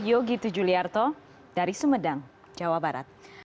yogi tujuliarto dari sumedang jawa barat